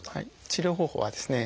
治療方法はですね